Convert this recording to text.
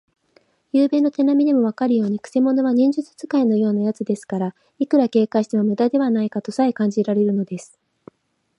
ゆうべの手なみでもわかるように、くせ者は忍術使いのようなやつですから、いくら警戒してもむだではないかとさえ感じられるのです。